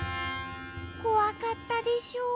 こわかったでしょう。